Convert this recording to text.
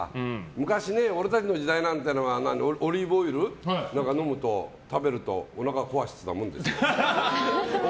昔ね、俺たちの時代なんてのはオリーブオイルを食べるとおなか壊してたもんですよ。